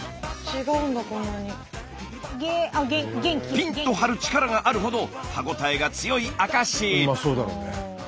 ピンと張る力があるほど歯応えが強い証し。